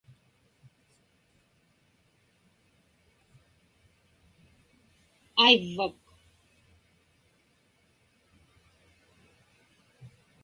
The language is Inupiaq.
aivvak